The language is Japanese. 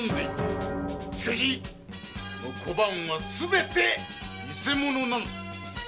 その小判はすべて偽物なのだ。